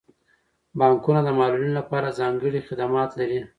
بانکونه د معلولینو لپاره ځانګړي خدمات لري.